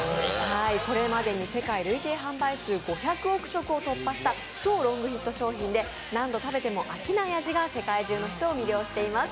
これまでに世界累計販売数５００億食を突破した超ロングヒット商品で何度食べても飽きない味が世界中の人を魅了しています。